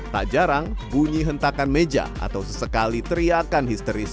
tak jarang bunyi hentakan meja atau sesekali teriakan histeris